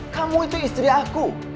kamu itu istri aku